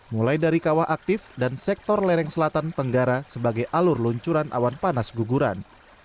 mulai dari kawah aktif dan sektor lereng selatan tenggara sebagai alur luncuran awan panas guguran